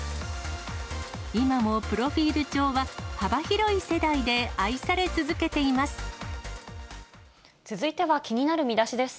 今もプロフィール帳は、幅広い世代で愛され続けています。